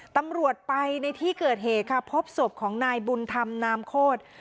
ตำรวจไปในที่เกิดเหตุค่ะพบศพของนายบุญธรรมนามโคตร